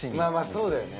そうだよね。